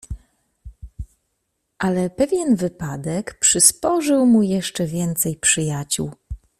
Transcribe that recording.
"Ale pewien wypadek przysporzył mu jeszcze więcej przyjaciół."